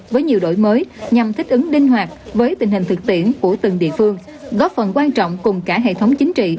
với nhiều đổi mới nhằm thích ứng linh hoạt với tình hình thực tiễn của từng địa phương góp phần quan trọng cùng cả hệ thống chính trị